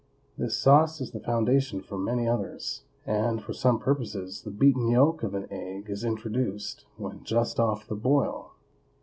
This sauce is the foundation for many others, and, for some purposes, the beaten yolk of an egg is introduced when just off the boil.